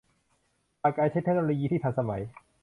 ผ่านการใช้เทคโนโลยีที่ทันสมัย